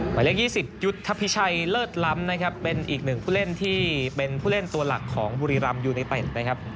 หมายเลข๒๐ยุทธพิชัยเลิศล้ำนะครับเป็นอีกหนึ่งผู้เล่นที่เป็นผู้เล่นตัวหลักของบุรีรำยูไนเต็ดนะครับ